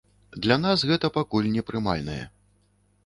Для нас гэта пакуль непрымальнае.